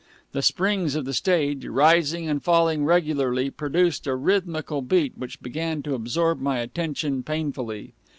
The springs of the stage, rising and falling regularly, produced a rhythmical beat which began to absorb my attention painfully.